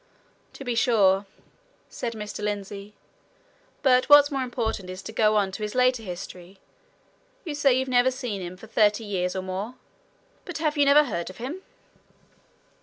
"To be sure," said Mr. Lindsey. "But what's more important is to get on to his later history. You say you've never seen him for thirty years, or more? But have you never heard of him?"